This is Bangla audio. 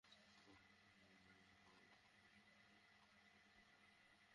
মাঝে বিরতি শেষে আবার বিপিএল শুরু হওয়ায় চমক রাখতে চাচ্ছেন তারা।